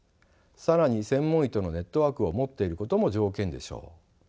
更に専門医とのネットワークを持っていることも条件でしょう。